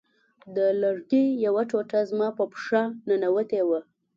د لرګي یوه ټوټه زما په پښه ننوتې وه